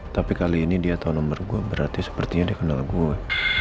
tapi kali ini dia tahu nomor gue berarti sepertinya dia kenal gue